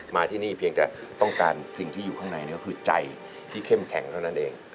มาที่นี่เพียงแต่ต้องการสิ่งที่อยู่ข้างในก็คือใจที่เข้มแข็งเท่านั้นเอง